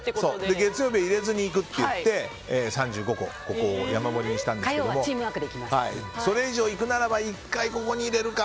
月曜日は入れずにいくといって３５個ここを山盛りにしたんですがそれ以上行くならば１回、ここに入れるか。